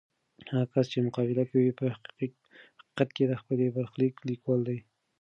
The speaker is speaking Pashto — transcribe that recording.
هغه کس چې مقابله کوي، په حقیقت کې د خپل برخلیک لیکوال دی.